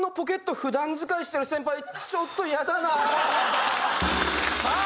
普段使いしてる先輩ちょっと嫌だなあさあ